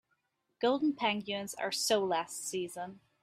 Golden penguins are so last season.